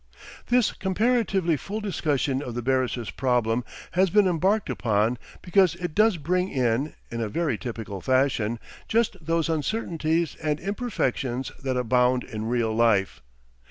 ... This comparatively full discussion of the barrister's problem has been embarked upon because it does bring in, in a very typical fashion, just those uncertainties and imperfections that abound in real life.